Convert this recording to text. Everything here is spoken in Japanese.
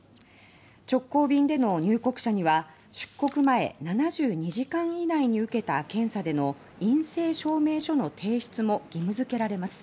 直行便で入国者には出国前７２時間以内に受けた検査で陰性証明書の提出も義務付けられます。